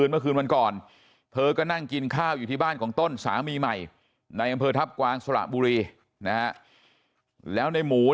เมื่อกลางคืนเมื่อคืนวันก่อน